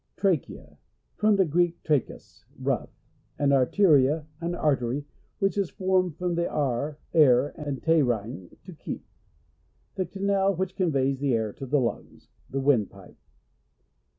Trachea. — From the Greek, trachus, rough, and arteria, an artery, which is formed from aer, air, and terein, to keep. The canal which conveys the air to the lungs. The wind pipe.